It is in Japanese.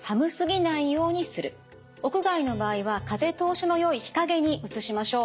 屋外の場合は風通しのよい日陰に移しましょう。